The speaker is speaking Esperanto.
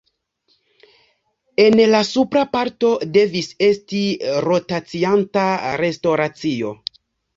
En la supra parto devis esti rotacianta restoracio.